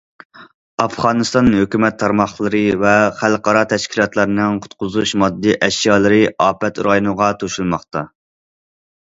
ئافغانىستان ھۆكۈمەت تارماقلىرى ۋە خەلقئارا تەشكىلاتلارنىڭ قۇتقۇزۇش ماددىي ئەشيالىرى ئاپەت رايونىغا توشۇلماقتا.